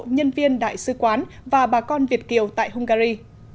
nhân viên đại sứ quán và bà con việt kiều tại hungary